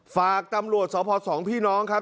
ฝากตำรวจสพสองพี่น้องครับ